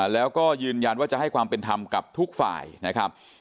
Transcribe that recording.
แล้วก็ยืนยันว่าจะให้ความเป็นธรรมกับทุกฝ่ายนะครับ